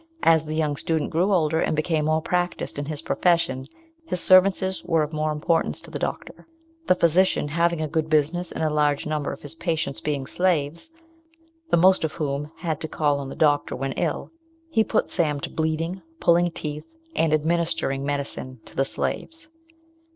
As the young student grew older and became more practised in his profession, his services were of more importance to the doctor. The physician having a good business, and a large number of his patients being slaves, the most of whom had to call on the doctor when ill, he put Sam to bleeding, pulling teeth, and administering medicine to the slaves.